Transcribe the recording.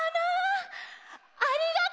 ありがとう！